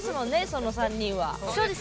その３人は。